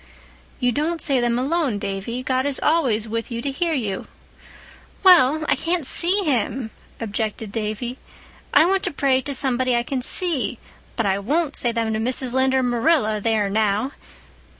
"You don't say them alone, Davy. God is always with you to hear you." "Well, I can't see Him," objected Davy. "I want to pray to somebody I can see, but I won't say them to Mrs. Lynde or Marilla, there now!"